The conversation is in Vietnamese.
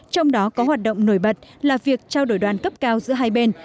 trong đó có hoạt động nổi bật là việc trao đổi đoàn cấp cao giữa hai bên